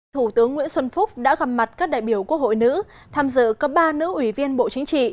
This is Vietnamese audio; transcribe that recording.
thủ tướng nguyễn xuân phúc đã gặp mặt các đại biểu quốc hội nữ tham dự có ba nữ ủy viên bộ chính trị